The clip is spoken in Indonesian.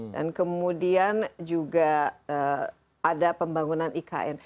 dan kemudian juga ada pembangunan ikn